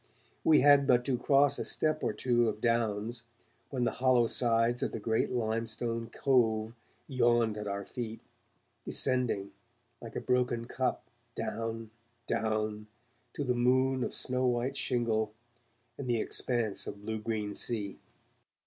We had but to cross a step or two of downs, when the hollow sides of the great limestone cove yawned at our feet, descending, like a broken cup, down, down to the moon of snow white shingle and the expanse of blue green sea.